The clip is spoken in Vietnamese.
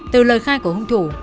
từ lời khai của hung thủ